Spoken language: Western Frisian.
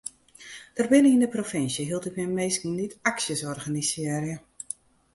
Der binne yn de provinsje hieltyd mear minsken dy't aksjes organisearje.